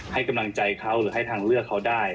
ให้กำลังใจเค้าให้ทางเลือกเค้าได้